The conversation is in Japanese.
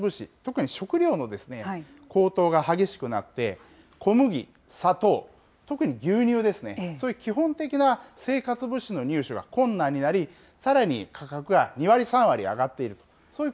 ロシア国内では生活物資、特に食料の高騰が激しくなって、小麦、砂糖、特に牛乳ですね、そういう基本的な生活物資の入手が困難になり、さらに価格が２割、３割上がっている。